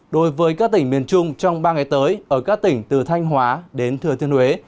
đối với các tỉnh miền trung trong ba ngày tới ở các tỉnh từ thanh hóa đến thừa thiên huế